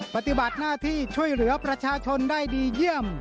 ปฏิบัติหน้าที่ช่วยเหลือประชาชนได้ดีเยี่ยม